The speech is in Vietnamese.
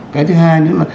cái thứ hai nữa là